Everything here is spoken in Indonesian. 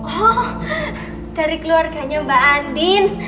oh dari keluarganya mbak andin